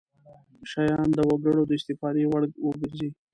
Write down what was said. شیان د وګړو د استفادې وړ وګرځي.